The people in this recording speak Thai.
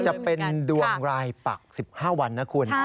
จะเป็นดวงรายปัก๑๕วันนะคุณ